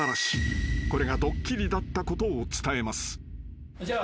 ［これがドッキリだったことを伝えます］